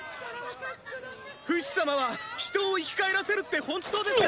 フシ様は人を生き返らせるって本当ですか